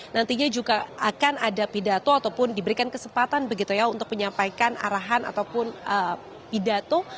nantinya juga akan ada pidato ataupun diberikan kesempatan begitu ya untuk menyampaikan arahan ataupun pidato